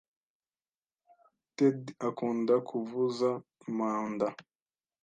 Ted akunda kuvuza impanda.